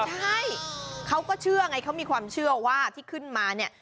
ใช่เขาก็เชื่อไงเขามีความเชื่อว่าที่ขึ้นมาเนี่ย